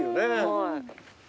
はい。